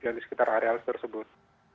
yang di sekitar area tersebut